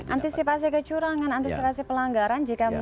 antisipasi kecurangan antisipasi pelanggaran